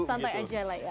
santai aja lah ya